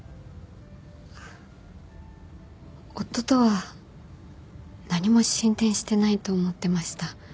夫とは何も進展してないと思ってました。